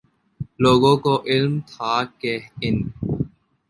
لوگوں کو علم تھا کہ ان